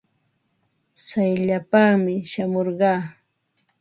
Tsayllapaami shamurqaa.